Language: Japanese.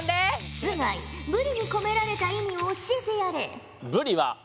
須貝ブリに込められた意味を教えてやれ。